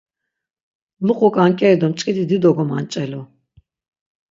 Luqu k̆ank̆eri do mç̆k̆idi dido gomanç̆elu.